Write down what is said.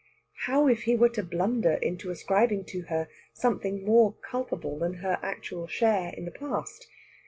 How if he were to blunder into ascribing to her something more culpable than her actual share in the past?